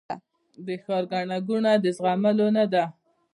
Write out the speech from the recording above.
د ښار ګڼه ګوڼه د زغملو نه ده